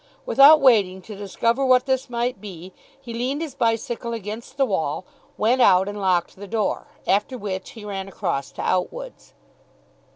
Without waiting to discover what this might be, he leaned his bicycle against the wall, went out, and locked the door, after which he ran across to Outwood's.